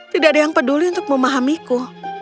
tidak ada yang peduli untuk memahamiku